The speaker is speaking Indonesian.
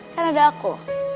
kan ada aku